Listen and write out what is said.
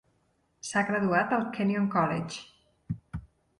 S'ha graduat al Kenyon College.